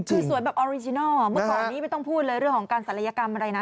คือสวยแบบออริจินัลเมื่อก่อนนี้ไม่ต้องพูดเลยเรื่องของการศัลยกรรมอะไรนะ